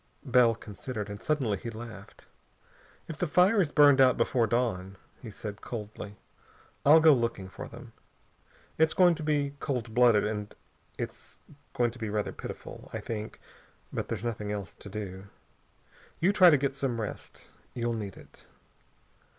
Bell considered. And suddenly he laughed. "If the fire has burned out before dawn," he said coldly, "I'll go looking for them. It's going to be cold blooded, and it's going to be rather pitiful, I think, but there's nothing else to do. You try to get some rest. You'll need it."